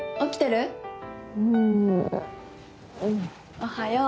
おはよう。